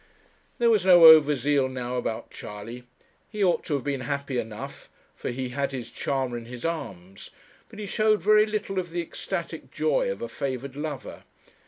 There was no over zeal now about Charley. He ought to have been happy enough, for he had his charmer in his arms; but he showed very little of the ecstatic joy of a favoured lover.